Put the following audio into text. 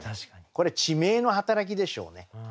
これ地名の働きでしょうね。